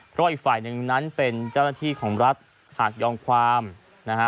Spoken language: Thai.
เพราะอีกฝ่ายหนึ่งนั้นเป็นเจ้าหน้าที่ของรัฐหากยอมความนะฮะ